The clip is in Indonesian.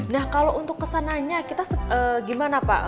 nah kalau untuk kesananya kita gimana pak